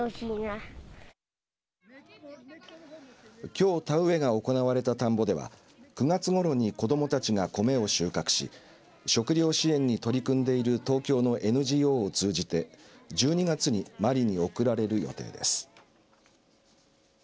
きょう田植えが行われた田んぼでは９月ごろに子どもたちがコメを収穫し食料支援に取り組んでいる東京のＮＧＯを通じて１２月にマリに送られる予定です。